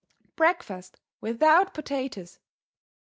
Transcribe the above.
Breakfast without potatoes!